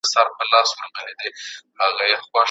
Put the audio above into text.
هغه ولي د نسوارو سره ناڼي په ناړيو کي توکلې ؟